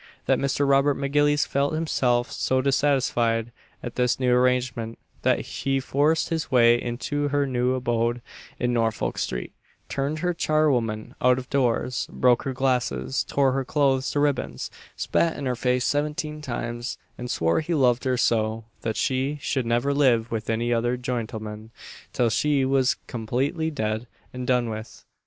That Mr. Robert M'Gillies felt himself so dissatisfied at this new arrangement, that he forced his way into her new abode in Norfolk street, turned her char woman out of doors, broke her glasses, tore her clothes to ribbons, spat in her face seventeen times, and swore he loved her so that she should never live with any other jontleman till she was completely dead and done with.